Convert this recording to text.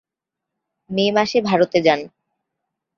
মে মাসে ভারতে যান।